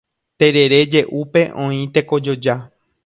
Terere je'úpe oĩ tekojoja.